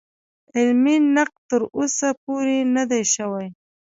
علمي نقد تر اوسه پورې نه دی شوی.